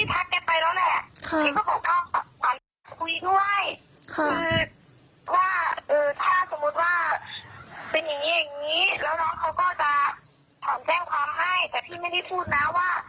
แต่พี่ไม่ได้พูดนะว่า